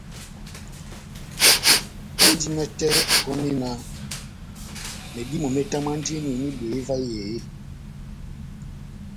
Endi mɛtɛ pɔni náh medímo metamwandini mehibweye vahe eeeh ?